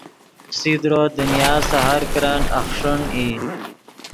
فسیدرو دنیا سے ہر کرن اخݰین ای